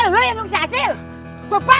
mereka tau sumpah